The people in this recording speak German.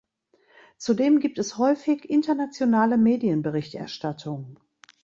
Zudem gibt es häufig internationale Medienberichterstattung.